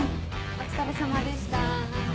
・お疲れさまです。